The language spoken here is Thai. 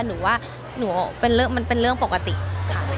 หนูว่าหนูเป็นเรื่องมันเป็นเรื่องปกติค่ะ